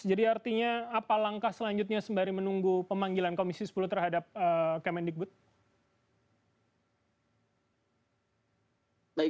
jadi artinya apa langkah selanjutnya sembari menunggu pemanggilan komisi sepuluh terhadap kemendikbud